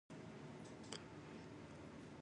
They supposed they had been shot down by a flak ship.